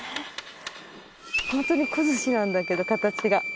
ホントに小槌なんだけど形が。